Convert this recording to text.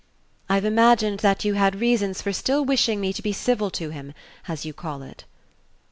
"I've imagined that you had reasons for still wishing me to be civil to him, as you call it."